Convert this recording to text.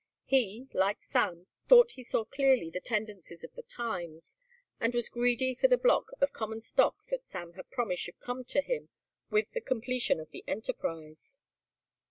He, like Sam, thought he saw clearly the tendencies of the times, and was greedy for the block of common stock that Sam had promised should come to him with the completion of the enterprise.